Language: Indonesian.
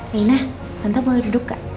rena tante boleh duduk kak